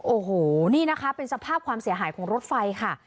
โอ้โหนี่นะคะเป็นสภาพความเสียหายของรถไฟค่ะ